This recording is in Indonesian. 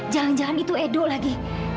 jangan jangan itu edo lagi